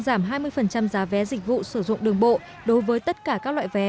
giảm hai mươi giá vé dịch vụ sử dụng đường bộ đối với tất cả các loại vé